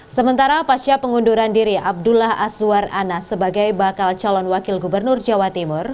sementara pasca pengunduran diri abdullah azwar anas sebagai bakal calon wakil gubernur jawa timur